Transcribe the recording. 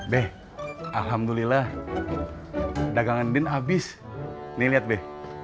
be alhamdulillah dagangan din habis nih lihat be